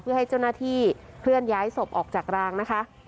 เพื่อให้เจ้าหน้าที่เคลื่อนย้ายศพออกจากรางนะคะ